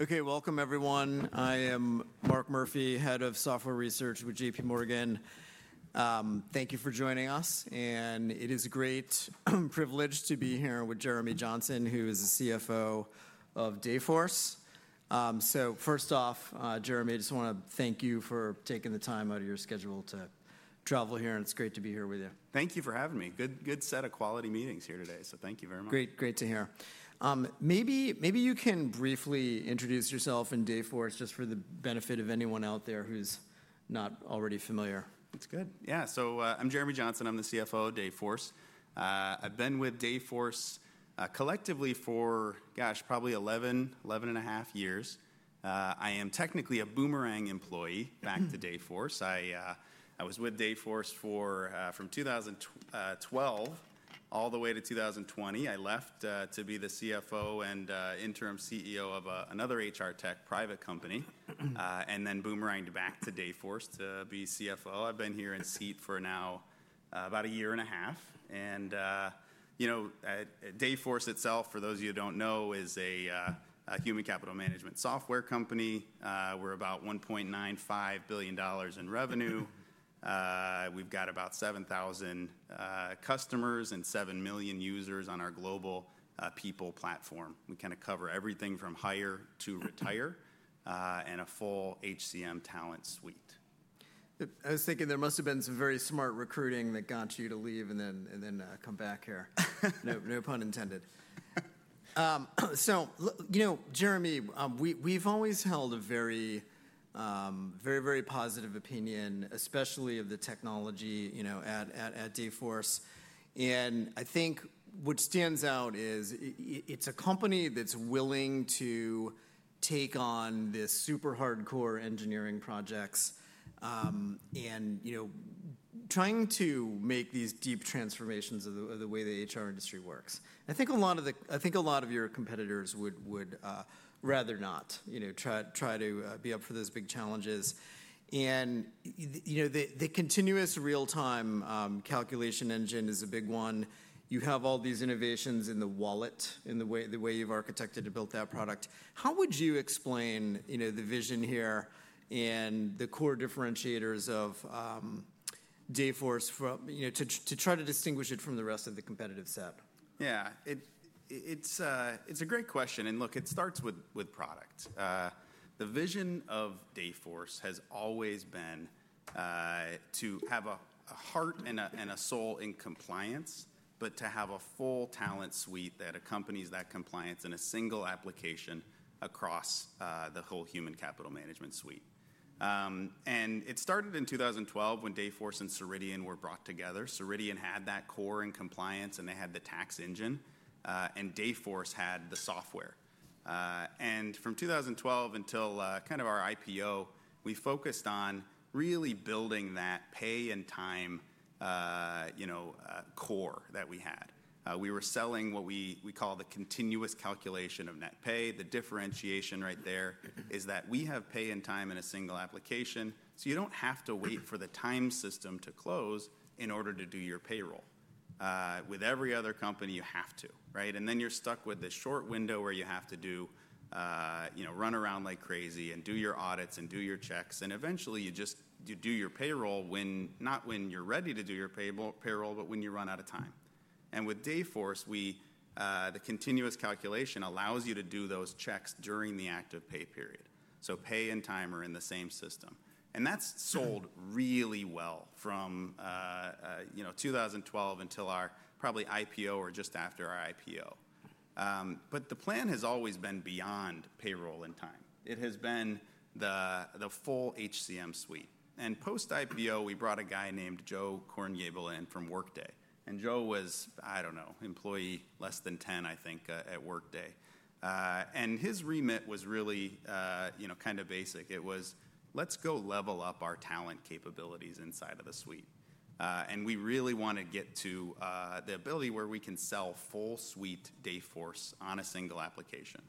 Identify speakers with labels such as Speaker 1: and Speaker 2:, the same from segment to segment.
Speaker 1: Okay, welcome everyone. I am Mark Murphy, Head of Software Research with JPMorgan. Thank you for joining us, and it is a great privilege to be here with Jeremy Johnson, who is the CFO of Dayforce. First off, Jeremy, I just want to thank you for taking the time out of your schedule to travel here, and it is great to be here with you.
Speaker 2: Thank you for having me. Good set of quality meetings here today, so thank you very much.
Speaker 1: Great, great to hear. Maybe you can briefly introduce yourself and Dayforce, just for the benefit of anyone out there who's not already familiar.
Speaker 2: That's good. Yeah, so I'm Jeremy Johnson, I'm the CFO of Dayforce. I've been with Dayforce collectively for, gosh, probably 11, 11.5 years. I am technically a boomerang employee back to Dayforce. I was with Dayforce from 2012 all the way to 2020. I left to be the CFO and interim CEO of another HR tech private company, and then boomeranged back to Dayforce to be CFO. I've been here in seat for now about a year and a half. Dayforce itself, for those of you who don't know, is a Human Capital Management software company. We're about $1.95 billion in revenue. We've got about 7,000 customers and 7 million users on our global people platform. We kind of cover everything from hire to retire and a full HCM talent suite.
Speaker 1: I was thinking there must have been some very smart recruiting that got you to leave and then come back here. No pun intended. So Jeremy, we've always held a very, very, very positive opinion, especially of the technology at Dayforce. I think what stands out is it's a company that's willing to take on these super hardcore engineering projects and trying to make these deep transformations of the way the HR industry works. I think a lot of your competitors would rather not try to be up for those big challenges. The continuous real-time calculation engine is a big one. You have all these innovations in the wallet, in the way you've architected to build that product. How would you explain the vision here and the core differentiators of Dayforce to try to distinguish it from the rest of the competitive set?
Speaker 2: Yeah, it's a great question. Look, it starts with product. The vision of Dayforce has always been to have a heart and a soul in compliance, but to have a full talent suite that accompanies that compliance in a single application across the whole human capital management suite. It started in 2012 when Dayforce and Ceridian were brought together. Ceridian had that core in compliance, and they had the tax engine, and Dayforce had the software. From 2012 until kind of our IPO, we focused on really building that pay and time core that we had. We were selling what we call the continuous calculation of net pay. The differentiation right there is that we have pay and time in a single application, so you don't have to wait for the time system to close in order to do your payroll. With every other company, you have to, right? You are stuck with this short window where you have to run around like crazy and do your audits and do your checks, and eventually you just do your payroll, not when you're ready to do your payroll, but when you run out of time. With Dayforce, the continuous calculation allows you to do those checks during the active pay period. Pay and time are in the same system. That sold really well from 2012 until our probably IPO or just after our IPO. The plan has always been beyond payroll and time. It has been the full HCM suite. Post-IPO, we brought a guy named Joe Korngiebel in from Workday. Joe was, I don't know, employee less than 10, I think, at Workday. His remit was really kind of basic. It was, let's go level up our talent capabilities inside of the suite. We really want to get to the ability where we can sell full suite Dayforce on a single application.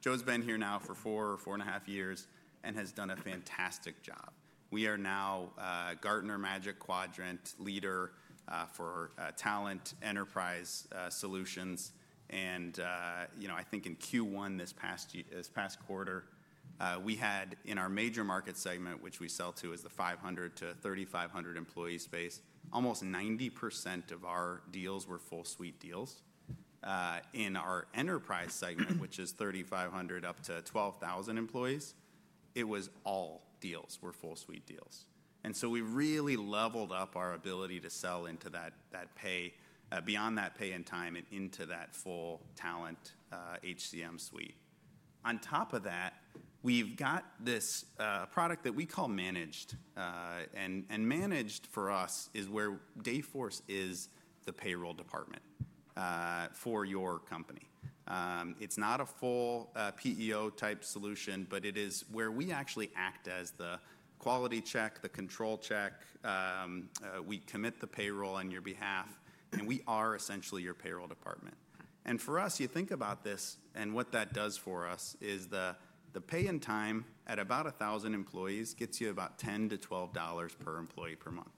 Speaker 2: Joe's been here now for four, four and a half years and has done a fantastic job. We are now Gartner Magic Quadrant leader for talent enterprise solutions. I think in Q1 this past quarter, we had in our major market segment, which we sell to as the 500 employees-3,500 employees space, almost 90% of our deals were full suite deals. In our enterprise segment, which is 3,500 employees-12,000 employees, it was all deals were full suite deals. We really leveled up our ability to sell into that pay, beyond that pay and time, and into that full talent HCM suite. On top of that, we've got this product that we call Managed. Managed for us is where Dayforce is the payroll department for your company. It's not a full PEO type solution, but it is where we actually act as the quality check, the control check. We commit the payroll on your behalf, and we are essentially your payroll department. For us, you think about this and what that does for us is the pay and time at about 1,000 employees gets you about $10-$12 per employee per month.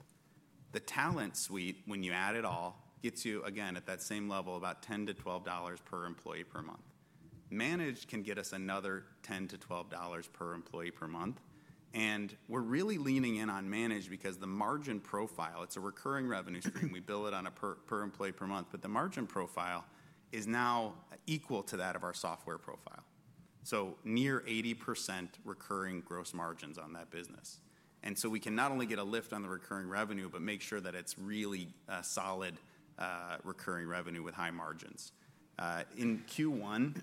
Speaker 2: The talent suite, when you add it all, gets you, again, at that same level, about $10-$12 per employee per month. Managed can get us another $10-$12 per employee per month. We're really leaning in on managed because the margin profile, it's a recurring revenue stream. We build it on a per employee per month, but the margin profile is now equal to that of our software profile. So near 80% recurring gross margins on that business. We can not only get a lift on the recurring revenue, but make sure that it is really solid recurring revenue with high margins. In Q1,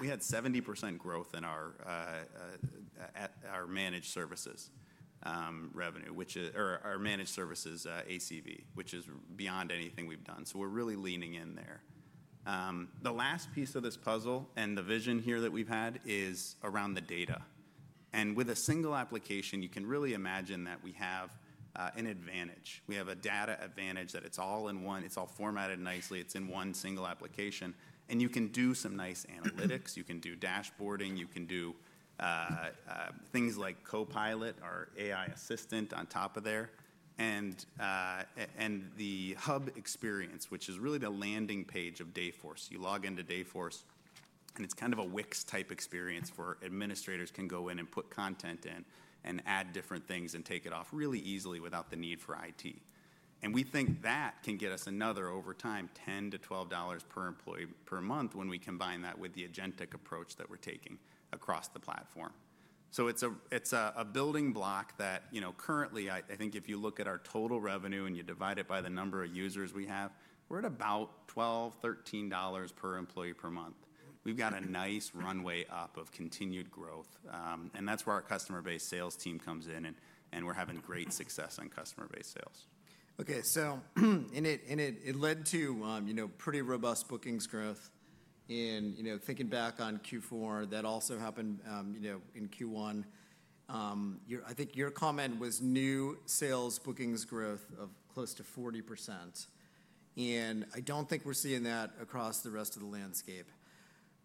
Speaker 2: we had 70% growth in our managed services revenue, or our managed services ACV, which is beyond anything we have done. We are really leaning in there. The last piece of this puzzle and the vision here that we have had is around the data. With a single application, you can really imagine that we have an advantage. We have a data advantage that it is all in one, it is all formatted nicely, it is in one single application. You can do some nice analytics, you can do dashboarding, you can do things like Co-Pilot, our AI assistant on top of there. The hub experience, which is really the landing page of Dayforce, you log into Dayforce, and it is kind of a Wix type experience where administrators can go in and put content in and add different things and take it off really easily without the need for IT. We think that can get us another, over time, $10-$12 per employee per month when we combine that with the agentic approach that we are taking across the platform. It is a building block that currently, I think if you look at our total revenue and you divide it by the number of users we have, we are at about $12-$13 per employee per month. We have got a nice runway up of continued growth. That's where our customer-based sales team comes in, and we're having great success on customer-based sales.
Speaker 1: Okay, so it led to pretty robust bookings growth. Thinking back on Q4, that also happened in Q1. I think your comment was new sales bookings growth of close to 40%. I do not think we are seeing that across the rest of the landscape.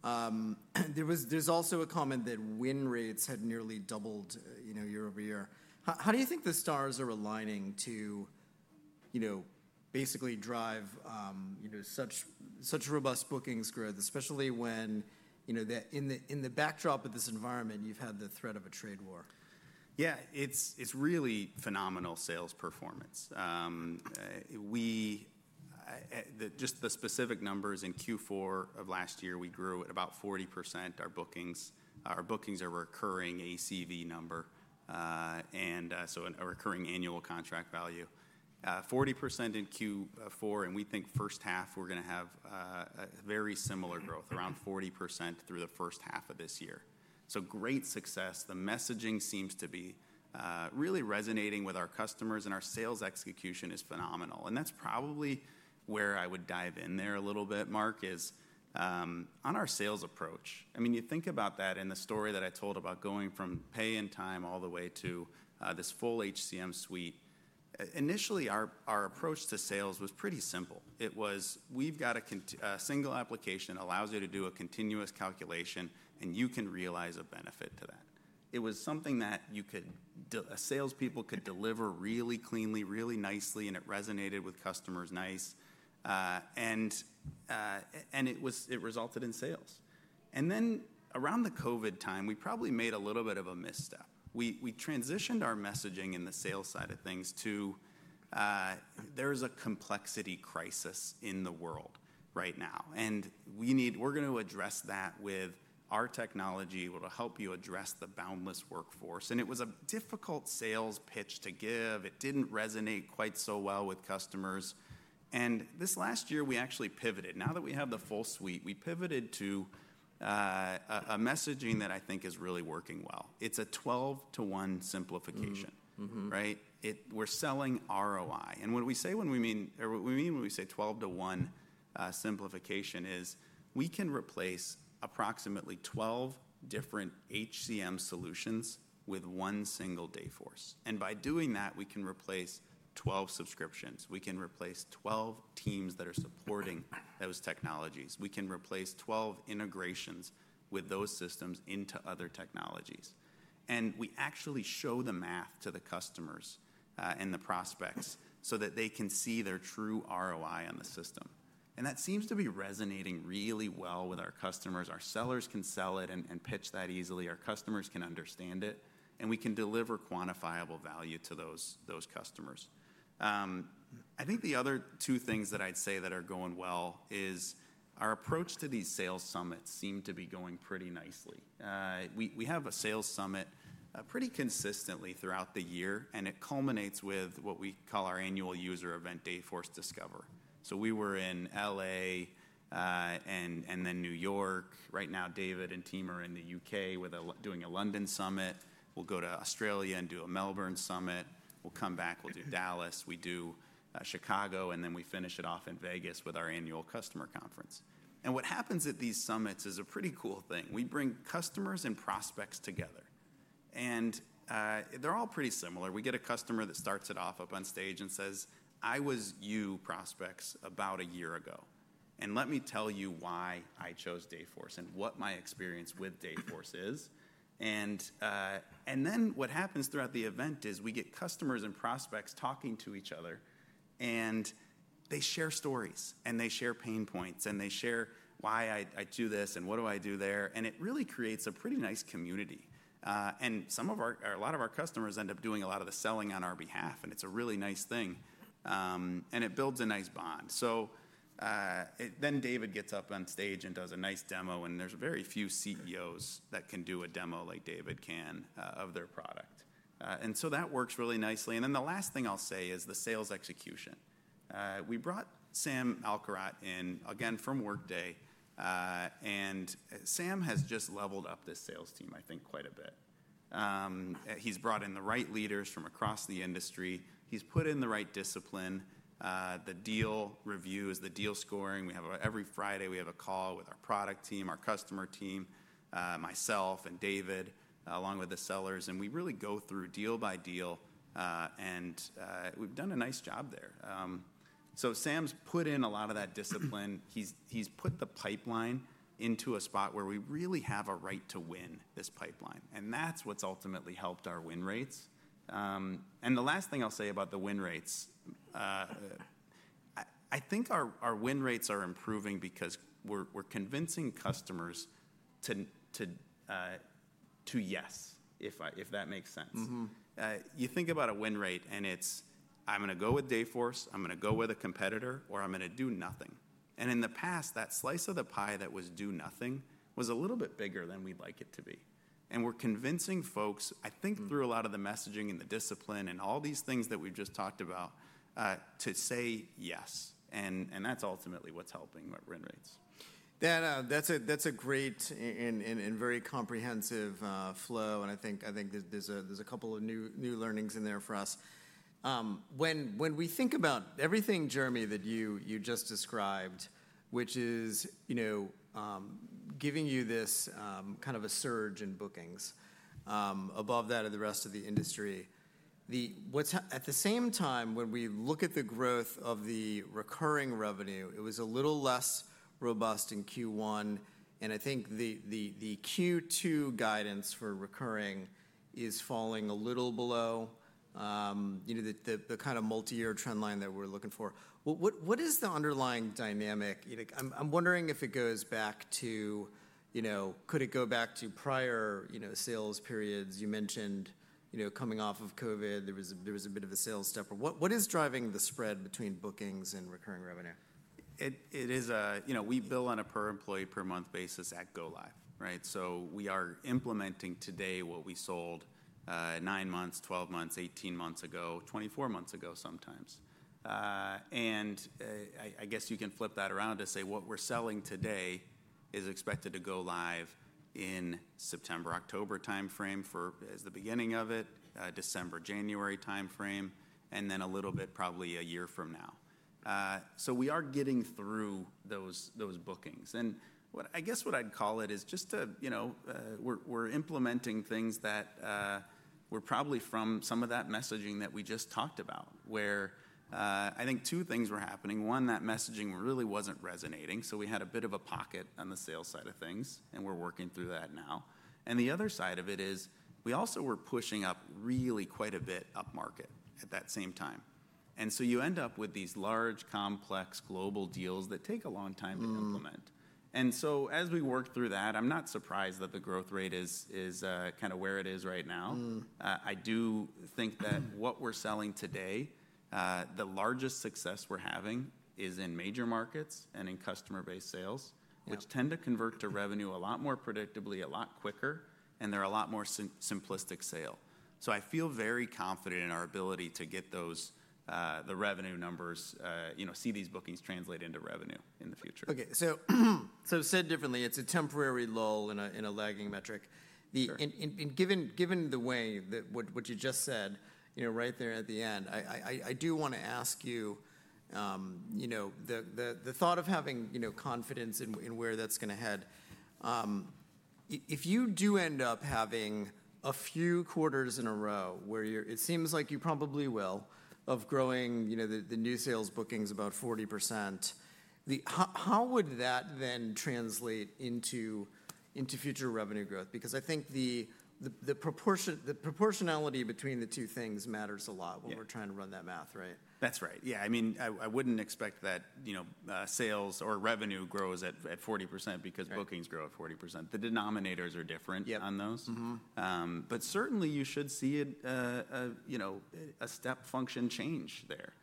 Speaker 1: There is also a comment that win rates had nearly doubled year-over-year. How do you think the stars are aligning to basically drive such robust bookings growth, especially when in the backdrop of this environment, you have had the threat of a trade war?
Speaker 2: Yeah, it's really phenomenal sales performance. Just the specific numbers in Q4 of last year, we grew at about 40%. Our bookings are a recurring ACV number, and so a recurring Annual Contract Value. 40% in Q4, and we think first half we're going to have very similar growth, around 40% through the first half of this year. Great success. The messaging seems to be really resonating with our customers, and our sales execution is phenomenal. That's probably where I would dive in there a little bit, Mark, is on our sales approach. I mean, you think about that in the story that I told about going from pay and time all the way to this full HCM suite. Initially, our approach to sales was pretty simple. It was, we've got a single application that allows you to do a continuous calculation, and you can realize a benefit to that. It was something that a salespeople could deliver really cleanly, really nicely, and it resonated with customers nice. It resulted in sales. Around the COVID time, we probably made a little bit of a misstep. We transitioned our messaging in the sales side of things to, there is a complexity crisis in the world right now. We're going to address that with our technology that will help you address the boundless workforce. It was a difficult sales pitch to give. It didn't resonate quite so well with customers. This last year, we actually pivoted. Now that we have the full suite, we pivoted to a messaging that I think is really working well. It's a 12-to-1 simplification, right? We're selling ROI. What we mean when we say 12-to-1 simplification is we can replace approximately 12 different HCM solutions with one single Dayforce. By doing that, we can replace 12 subscriptions. We can replace 12 teams that are supporting those technologies. We can replace 12 integrations with those systems into other technologies. We actually show the math to the customers and the prospects so that they can see their true ROI on the system. That seems to be resonating really well with our customers. Our sellers can sell it and pitch that easily. Our customers can understand it, and we can deliver quantifiable value to those customers. I think the other two things that I'd say that are going well is our approach to these sales summits seem to be going pretty nicely. We have a sales summit pretty consistently throughout the year, and it culminates with what we call our annual user event, Dayforce Discover. We were in L.A. and then New York. Right now, David and team are in the U.K. doing a London summit. We'll go to Australia and do a Melbourne summit. We'll come back, we'll do Dallas. We do Chicago, and then we finish it off in Vegas with our annual customer conference. What happens at these summits is a pretty cool thing. We bring customers and prospects together. They are all pretty similar. We get a customer that starts it off up on stage and says, "I was you, prospects, about a year ago. Let me tell you why I chose Dayforce and what my experience with Dayforce is. What happens throughout the event is we get customers and prospects talking to each other, and they share stories and they share pain points and they share why I do this and what do I do there. It really creates a pretty nice community. A lot of our customers end up doing a lot of the selling on our behalf, and it's a really nice thing. It builds a nice bond. David gets up on stage and does a nice demo, and there are very few CEOs that can do a demo like David can of their product. That works really nicely. The last thing I'll say is the sales execution. We brought Sam Alkharrat in, again, from Workday. Sam has just leveled up this sales team, I think, quite a bit. He's brought in the right leaders from across the industry. He's put in the right discipline. The deal review is the deal scoring. Every Friday, we have a call with our product team, our customer team, myself and David, along with the sellers. We really go through deal by deal, and we've done a nice job there. Sam's put in a lot of that discipline. He's put the pipeline into a spot where we really have a right to win this pipeline. That's what's ultimately helped our win rates. The last thing I'll say about the win rates, I think our win rates are improving because we're convincing customers to yes, if that makes sense. You think about a win rate and it's, "I'm going to go with Dayforce, I'm going to go with a competitor, or I'm going to do nothing." In the past, that slice of the pie that was do nothing was a little bit bigger than we'd like it to be. We're convincing folks, I think through a lot of the messaging and the discipline and all these things that we've just talked about, to say yes. That's ultimately what's helping our win rates.
Speaker 1: That's a great and very comprehensive flow. I think there's a couple of new learnings in there for us. When we think about everything, Jeremy, that you just described, which is giving you this kind of a surge in bookings above that of the rest of the industry, at the same time, when we look at the growth of the recurring revenue, it was a little less robust in Q1. I think the Q2 guidance for recurring is falling a little below the kind of multi-year trend line that we're looking for. What is the underlying dynamic? I'm wondering if it goes back to, could it go back to prior sales periods? You mentioned coming off of COVID, there was a bit of a sales step up. What is driving the spread between bookings and recurring revenue?
Speaker 2: It is a, we bill on a per employee per month basis at Go Live, right? We are implementing today what we sold nine months, 12 months, 18 months ago, 24 months ago sometimes. I guess you can flip that around to say what we're selling today is expected to go live in September, October timeframe for the beginning of it, December, January timeframe, and then a little bit probably a year from now. We are getting through those bookings. I guess what I'd call it is just we're implementing things that were probably from some of that messaging that we just talked about, where I think two things were happening. One, that messaging really wasn't resonating. We had a bit of a pocket on the sales side of things, and we're working through that now. The other side of it is we also were pushing up really quite a bit up market at that same time. You end up with these large, complex, global deals that take a long time to implement. As we work through that, I'm not surprised that the growth rate is kind of where it is right now. I do think that what we're selling today, the largest success we're having is in major markets and in customer-based sales, which tend to convert to revenue a lot more predictably, a lot quicker, and they're a lot more simplistic sale. I feel very confident in our ability to get the revenue numbers, see these bookings translate into revenue in the future.
Speaker 1: Okay, so said differently, it's a temporary lull in a lagging metric. And given the way that what you just said right there at the end, I do want to ask you the thought of having confidence in where that's going to head. If you do end up having a few quarters in a row where it seems like you probably will of growing the new sales bookings about 40%, how would that then translate into future revenue growth? Because I think the proportionality between the two things matters a lot when we're trying to run that math, right?
Speaker 2: That's right. Yeah, I mean, I wouldn't expect that sales or revenue grows at 40% because bookings grow at 40%. The denominators are different on those. Certainly, you should see a step function change there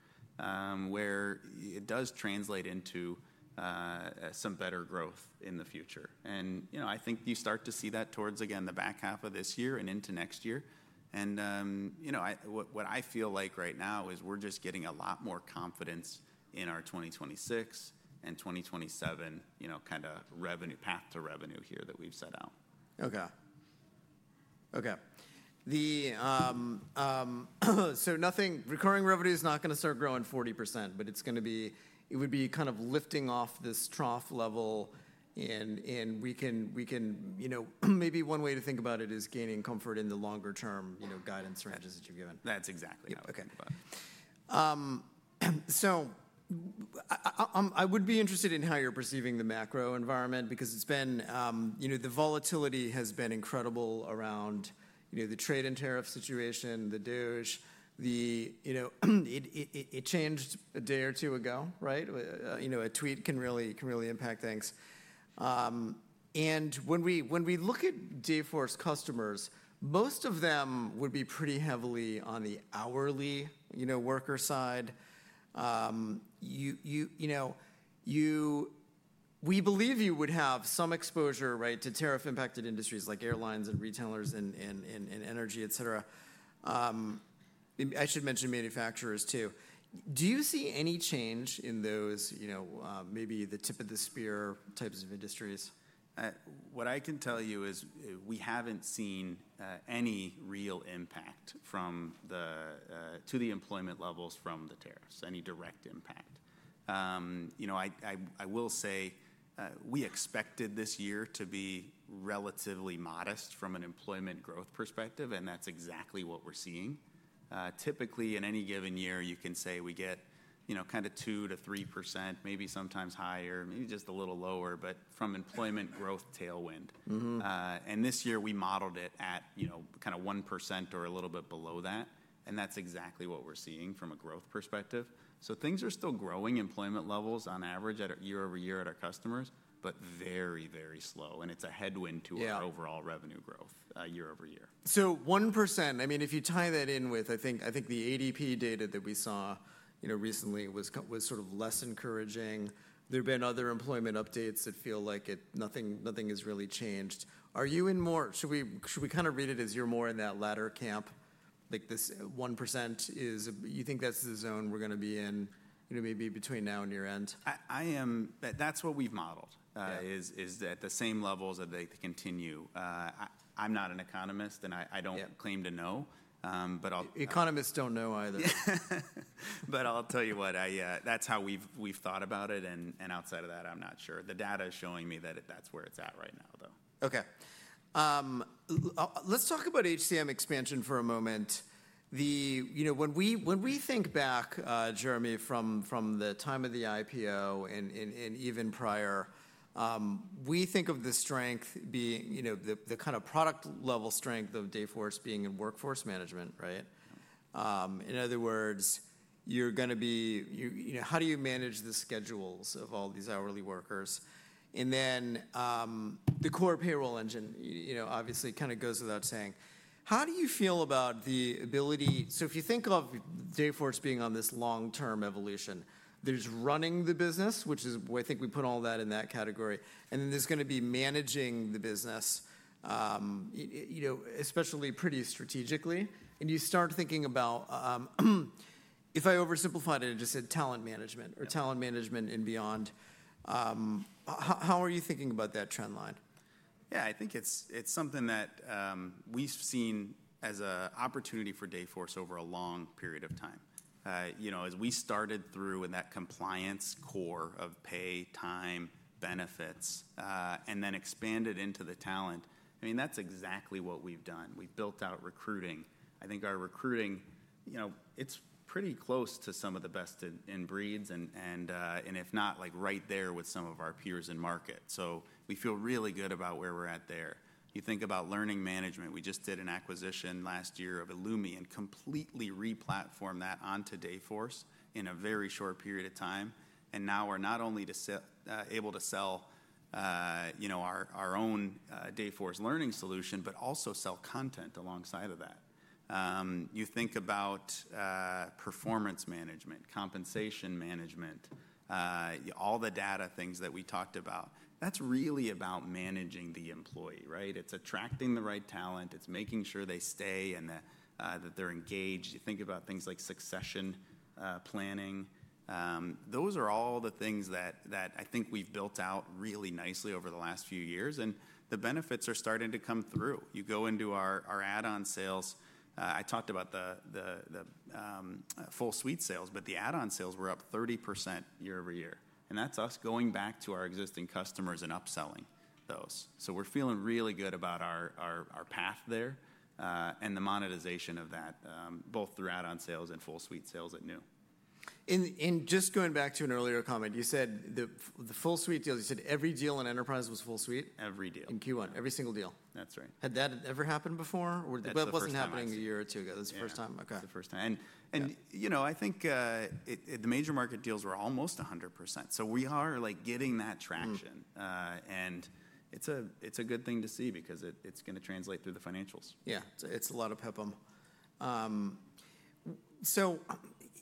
Speaker 2: where it does translate into some better growth in the future. I think you start to see that towards, again, the back half of this year and into next year. What I feel like right now is we're just getting a lot more confidence in our 2026 and 2027 kind of path to revenue here that we've set out.
Speaker 1: Okay. Okay. So recurring revenue is not going to start growing 40%, but it is going to be, it would be kind of lifting off this trough level. And maybe one way to think about it is gaining comfort in the longer-term guidance ranges that you have given.
Speaker 2: That's exactly right.
Speaker 1: Okay. I would be interested in how you're perceiving the macro environment because the volatility has been incredible around the trade and tariff situation, the DOGE. It changed a day or two ago, right? A tweet can really impact things. When we look at Dayforce customers, most of them would be pretty heavily on the hourly worker side. We believe you would have some exposure to tariff-impacted industries like airlines and retailers and energy, et cetera. I should mention manufacturers too. Do you see any change in those, maybe the tip of the spear types of industries?
Speaker 2: What I can tell you is we haven't seen any real impact to the employment levels from the tariffs, any direct impact. I will say we expected this year to be relatively modest from an employment growth perspective, and that's exactly what we're seeing. Typically, in any given year, you can say we get kind of 2%-3%, maybe sometimes higher, maybe just a little lower, but from employment growth tailwind. And this year, we modeled it at kind of 1% or a little bit below that. And that's exactly what we're seeing from a growth perspective. So things are still growing employment levels on average year-over-year at our customers, but very, very slow. And it's a headwind to our overall revenue growth year-over-year.
Speaker 1: 1%, I mean, if you tie that in with, I think the ADP data that we saw recently was sort of less encouraging. There have been other employment updates that feel like nothing has really changed. Are you in more should we kind of read it as you're more in that latter camp? Like this 1%, you think that's the zone we're going to be in maybe between now and year end?
Speaker 2: That's what we've modeled, is at the same levels that they continue. I'm not an economist, and I don't claim to know, but I'll.
Speaker 1: Economists don't know either.
Speaker 2: I'll tell you what, that's how we've thought about it. Outside of that, I'm not sure. The data is showing me that that's where it's at right now, though.
Speaker 1: Okay. Let's talk about HCM expansion for a moment. When we think back, Jeremy, from the time of the IPO and even prior, we think of the strength being the kind of product-level strength of Dayforce being in workforce management, right? In other words, you're going to be how do you manage the schedules of all these hourly workers? And then the core payroll engine obviously kind of goes without saying. How do you feel about the ability? If you think of Dayforce being on this long-term evolution, there's running the business, which is why I think we put all that in that category. Then there's going to be managing the business, especially pretty strategically. You start thinking about if I oversimplify it and just said talent management or talent management and beyond, how are you thinking about that trend line?
Speaker 2: Yeah, I think it's something that we've seen as an opportunity for Dayforce over a long period of time. As we started through in that compliance core of pay, time, benefits, and then expanded into the talent, I mean, that's exactly what we've done. We've built out recruiting. I think our recruiting, it's pretty close to some of the best in breeds and if not right there with some of our peers in market. We feel really good about where we're at there. You think about learning management, we just did an acquisition last year of eloomi and completely replatformed that onto Dayforce in a very short period of time. Now we're not only able to sell our own Dayforce learning solution, but also sell content alongside of that. You think about performance management, compensation management, all the data things that we talked about. That's really about managing the employee, right? It's attracting the right talent. It's making sure they stay and that they're engaged. You think about things like succession planning. Those are all the things that I think we've built out really nicely over the last few years. The benefits are starting to come through. You go into our add-on sales. I talked about the full suite sales, but the add-on sales were up 30% year-over-year. That's us going back to our existing customers and upselling those. We're feeling really good about our path there and the monetization of that, both through add-on sales and full suite sales at new.
Speaker 1: Just going back to an earlier comment, you said the full suite deals, you said every deal in enterprise was full suite?
Speaker 2: Every deal.
Speaker 1: In Q1, every single deal?
Speaker 2: That's right.
Speaker 1: Had that ever happened before?
Speaker 2: That's right.
Speaker 1: It wasn't happening a year or two ago. This is the first time. Okay.
Speaker 2: This is the first time. I think the major market deals were almost 100%. We are getting that traction. It is a good thing to see because it is going to translate through the financials.
Speaker 1: Yeah, it's a lot of peppum.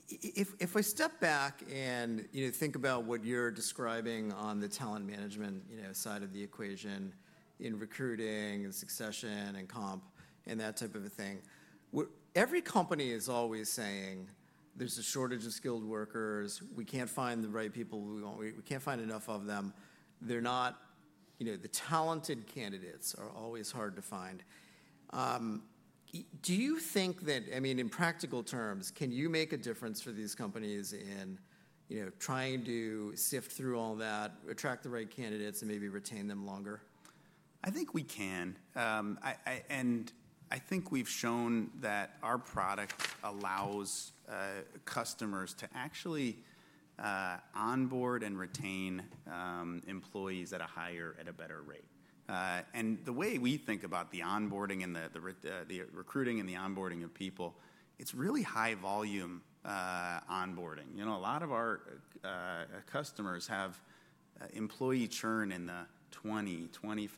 Speaker 1: If I step back and think about what you're describing on the talent management side of the equation in recruiting and succession and comp and that type of a thing, every company is always saying there's a shortage of skilled workers. We can't find the right people. We can't find enough of them. The talented candidates are always hard to find. Do you think that, I mean, in practical terms, can you make a difference for these companies in trying to sift through all that, attract the right candidates, and maybe retain them longer?
Speaker 2: I think we can. I think we've shown that our product allows customers to actually onboard and retain employees at a higher, at a better rate. The way we think about the onboarding and the recruiting and the onboarding of people, it's really high-volume onboarding. A lot of our customers have employee churn in the 20%, 25%,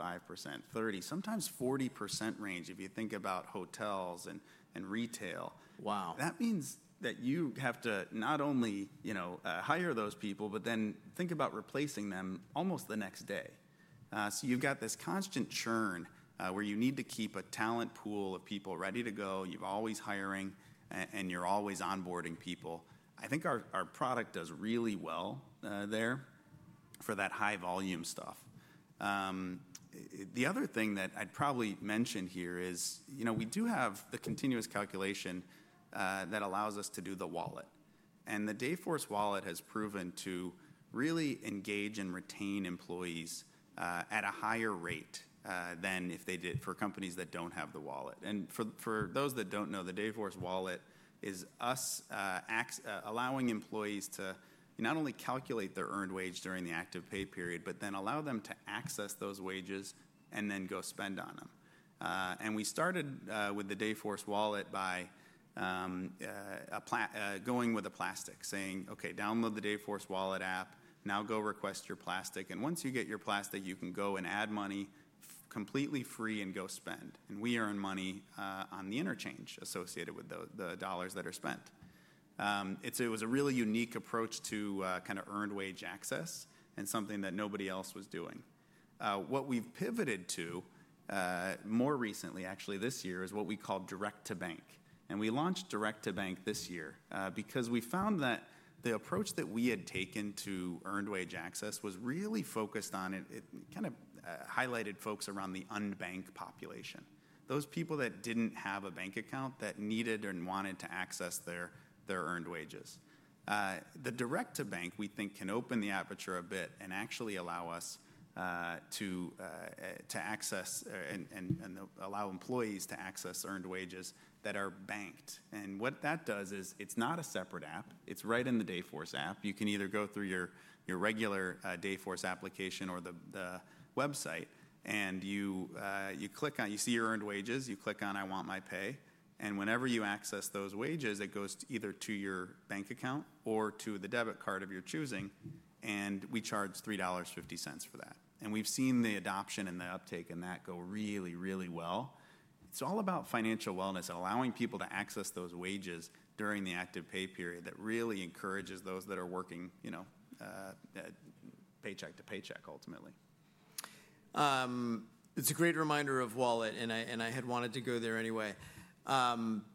Speaker 2: 30%, sometimes 40% range. If you think about hotels and retail, that means that you have to not only hire those people, but then think about replacing them almost the next day. You have this constant churn where you need to keep a talent pool of people ready to go. You're always hiring and you're always onboarding people. I think our product does really well there for that high-volume stuff. The other thing that I'd probably mention here is we do have the continuous calculation that allows us to do the Wallet. The Dayforce Wallet has proven to really engage and retain employees at a higher rate than if they did for companies that do not have the wallet. For those that do not know, the Dayforce Wallet is us allowing employees to not only calculate their earned wage during the active pay period, but then allow them to access those wages and then go spend on them. We started with the Dayforce Wallet by going with a plastic, saying, "Okay, download the Dayforce Wallet app. Now go request your plastic. Once you get your plastic, you can go and add money completely free and go spend." We earn money on the interchange associated with the dollars that are spent. It was a really unique approach to kind of earned wage access and something that nobody else was doing. What we've pivoted to more recently, actually this year, is what we call direct-to-bank. We launched direct-to-bank this year because we found that the approach that we had taken to earned wage access was really focused on it kind of highlighted folks around the unbanked population, those people that did not have a bank account that needed and wanted to access their earned wages. The direct-to-bank, we think, can open the aperture a bit and actually allow us to access and allow employees to access earned wages that are banked. What that does is it is not a separate app. It is right in the Dayforce app. You can either go through your regular Dayforce application or the website, and you click on, you see your earned wages, you click on, "I want my pay." Whenever you access those wages, it goes either to your bank account or to the debit card of your choosing, and we charge $3.50 for that. We have seen the adoption and the uptake in that go really, really well. It is all about financial wellness, allowing people to access those wages during the active pay period that really encourages those that are working paycheck to paycheck ultimately.
Speaker 1: It's a great reminder of Wallet, and I had wanted to go there anyway.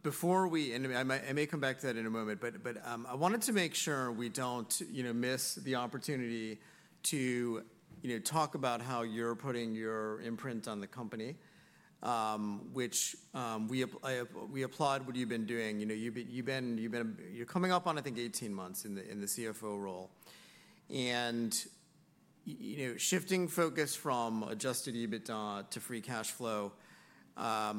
Speaker 1: Before we end, I may come back to that in a moment, but I wanted to make sure we don't miss the opportunity to talk about how you're putting your imprint on the company, which we applaud what you've been doing. You've been coming up on, I think, 18 months in the CFO role. Shifting focus from adjusted EBITDA to free cash flow, I've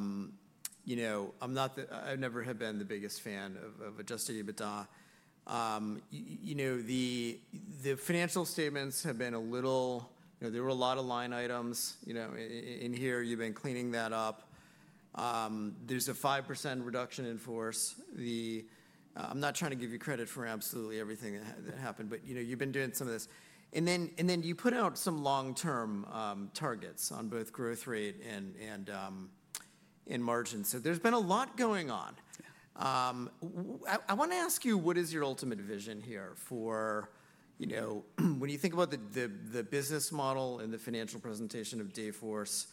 Speaker 1: never been the biggest fan of adjusted EBITDA. The financial statements have been a little, there were a lot of line items in here. You've been cleaning that up. There's a 5% reduction in force. I'm not trying to give you credit for absolutely everything that happened, but you've been doing some of this. You put out some long-term targets on both growth rate and margin. There's been a lot going on. I want to ask you, what is your ultimate vision here for when you think about the business model and the financial presentation of Dayforce?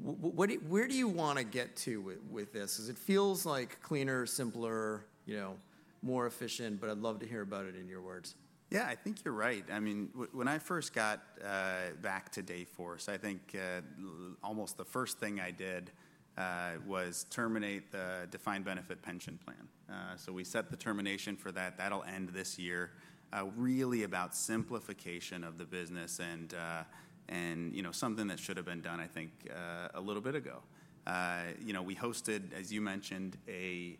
Speaker 1: Where do you want to get to with this? Because it feels like cleaner, simpler, more efficient, but I'd love to hear about it in your words.
Speaker 2: Yeah, I think you're right. I mean, when I first got back to Dayforce, I think almost the first thing I did was terminate the defined benefit pension plan. So we set the termination for that. That'll end this year, really about simplification of the business and something that should have been done, I think, a little bit ago. We hosted, as you mentioned, an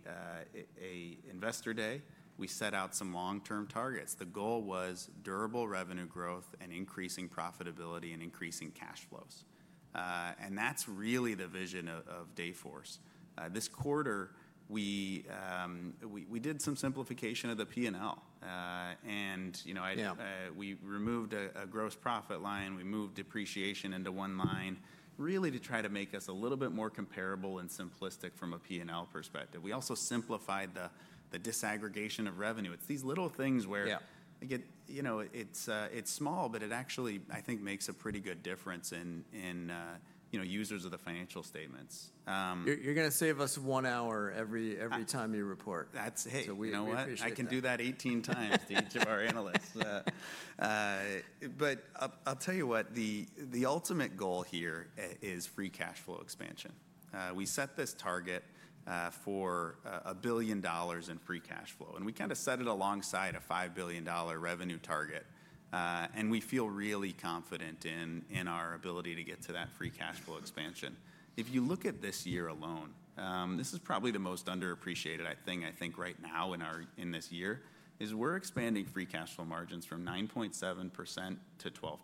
Speaker 2: Investor Day. We set out some long-term targets. The goal was durable revenue growth and increasing profitability and increasing cash flows. That's really the vision of Dayforce. This quarter, we did some simplification of the P&L. We removed a gross profit line. We moved depreciation into one line, really to try to make us a little bit more comparable and simplistic from a P&L perspective. We also simplified the disaggregation of revenue. It's these little things where it's small, but it actually, I think, makes a pretty good difference in users of the financial statements.
Speaker 1: You're going to save us one hour every time you report.
Speaker 2: That's hey, you know what? I can do that 18 times to each of our analysts. But I'll tell you what, the ultimate goal here is free cash flow expansion. We set this target for a billion dollars in free cash flow. And we kind of set it alongside a $5 billion revenue target. We feel really confident in our ability to get to that free cash flow expansion. If you look at this year alone, this is probably the most underappreciated thing I think right now in this year, is we're expanding free cash flow margins from 9.7% to 12%.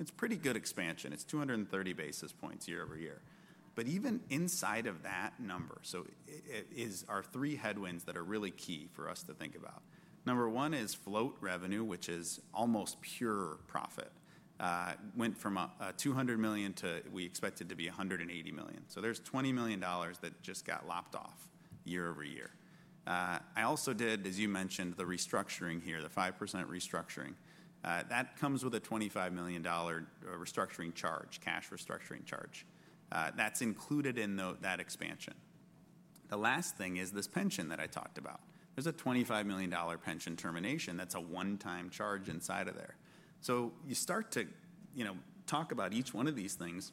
Speaker 2: It's pretty good expansion. It's 230 basis points year-over-year. But even inside of that number, so it is our three headwinds that are really key for us to think about. Number one is float revenue, which is almost pure profit. Went from $200 million to we expected to be $180 million. So there's $20 million that just got lopped off year-over-year. I also did, as you mentioned, the restructuring here, the 5% restructuring. That comes with a $25 million restructuring charge, cash restructuring charge. That's included in that expansion. The last thing is this pension that I talked about. There's a $25 million pension termination. That's a one-time charge inside of there. So you start to talk about each one of these things,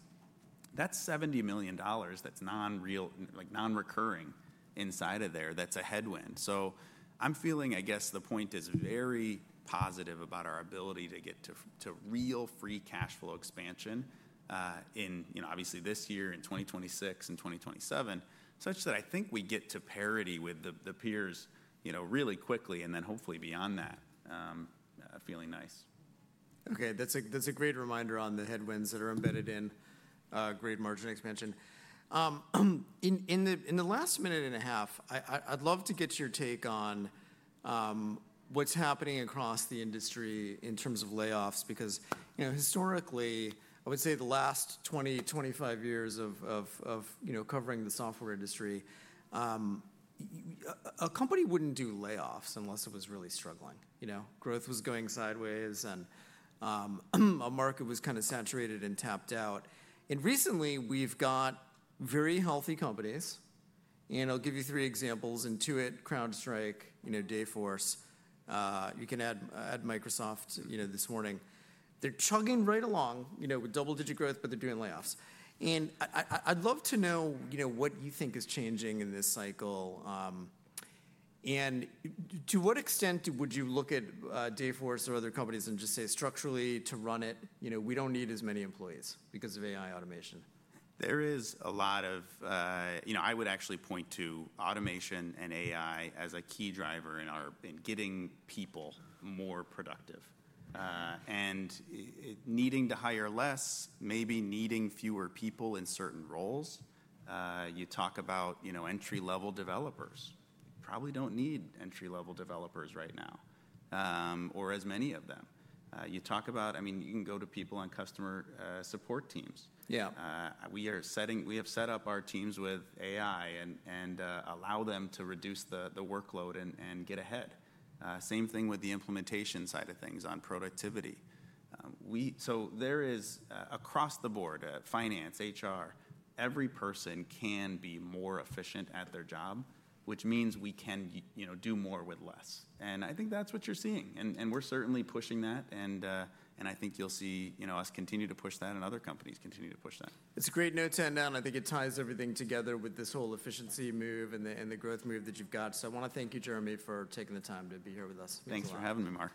Speaker 2: that's $70 million that's non-recurring inside of there that's a headwind. So I'm feeling, I guess, the point is very positive about our ability to get to real free cash flow expansion in obviously this year in 2026 and 2027, such that I think we get to parity with the peers really quickly and then hopefully beyond that, feeling nice.
Speaker 1: Okay, that's a great reminder on the headwinds that are embedded in great margin expansion. In the last minute and a half, I'd love to get your take on what's happening across the industry in terms of layoffs because historically, I would say the last 20 years-25 years of covering the software industry, a company wouldn't do layoffs unless it was really struggling. Growth was going sideways and a market was kind of saturated and tapped out. Recently, we've got very healthy companies. I'll give you three examples: Intuit, CrowdStrike, Dayforce. You can add Microsoft this morning. They're chugging right along with double-digit growth, but they're doing layoffs. I'd love to know what you think is changing in this cycle. To what extent would you look at Dayforce or other companies and just say, "Structurally, to run it, we don't need as many employees because of AI automation"?
Speaker 2: There is a lot of, I would actually point to automation and AI as a key driver in getting people more productive. And needing to hire less, maybe needing fewer people in certain roles. You talk about entry-level developers. You probably do not need entry-level developers right now or as many of them. You talk about, I mean, you can go to people on customer support teams.
Speaker 1: Yeah.
Speaker 2: We have set up our teams with AI and allow them to reduce the workload and get ahead. Same thing with the implementation side of things on productivity. There is, across the board, finance, HR, every person can be more efficient at their job, which means we can do more with less. I think that's what you're seeing. We're certainly pushing that. I think you'll see us continue to push that and other companies continue to push that.
Speaker 1: It's a great note to end on. I think it ties everything together with this whole efficiency move and the growth move that you've got. I want to thank you, Jeremy, for taking the time to be here with us.
Speaker 2: Thanks for having me, Mark.